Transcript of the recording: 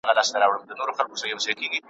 بیا هم ته نه وې لالا `